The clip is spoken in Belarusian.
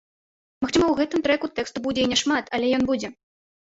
Магчыма, у гэтым трэку тэксту будзе і няшмат, але ён будзе.